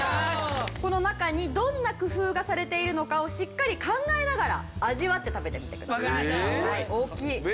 この中にどんな工夫がされているのかをしっかり考えながら味わって食べてみてください。